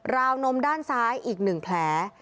วนมด้านซ้ายอีก๑แผล